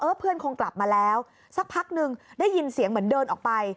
เพื่อนคงกลับมาแล้วสักพักหนึ่งได้ยินเสียงเหมือนเดินออกไป